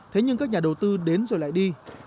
thế nhưng các nhà đầu tư đến rồi lại đi